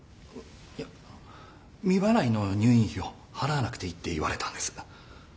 いや未払いの入院費を払わなくていいって言われたんです。